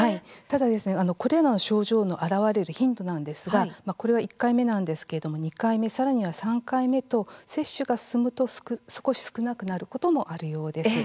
ただこれらの症状の現れる頻度なんですがこれは１回目なんですけれども２回目、さらには３回目と接種が進むと、少し少なくなることもあるようです。